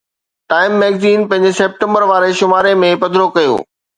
time magazine پنهنجي September واري شماري ۾ پڌرو ڪيو